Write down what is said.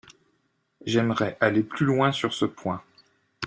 J’aimerais aller plus loin sur ce point.